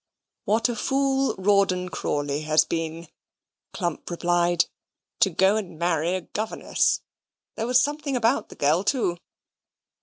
"What a fool Rawdon Crawley has been," Clump replied, "to go and marry a governess! There was something about the girl, too."